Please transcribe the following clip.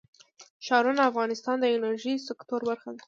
ښارونه د افغانستان د انرژۍ سکتور برخه ده.